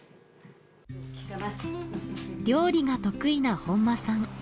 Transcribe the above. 料理が得意な本間さん。